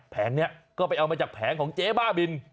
แผงนี้ก็ไปเอามาจากแผงของเจ๊บ้าบิน